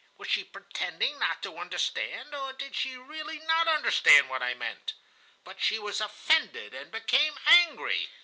Was she pretending not to understand, or did she really not understand what I meant? But she was offended and became angry.